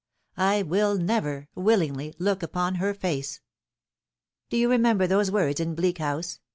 I will never willingly look upon her face. "Do you remember those words in Bleak House?